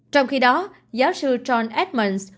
trong khi đó giáo sư john edmunds